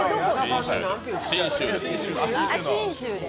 信州です。